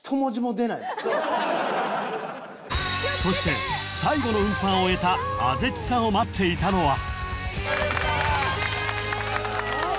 ［そして最後の運搬を終えた畦地さんを待っていたのは］